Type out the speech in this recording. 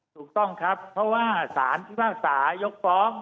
ถูกต้องครับเพราะว่าสารพิพากษายกฟ้อง